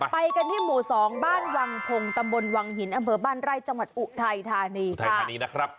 ไปกันที่หมู่๒บ้านวังพงศ์ตำบลวังหินอำเบอร์บ้านไร่จังหวัดอุไทยธานีค่ะ